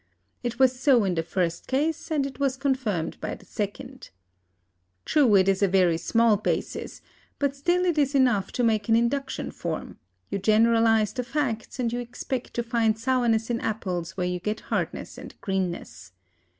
It was so in the first case, and it was confirmed by the second. True, it is a very small basis, but still it is enough to make an induction from; you generalise the facts, and you expect to find sourness in apples where you get hardness and greenness.